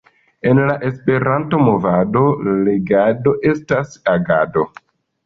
En la Esperanto-movado, legado estas agado!